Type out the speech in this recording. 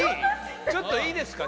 ちょっといいですか？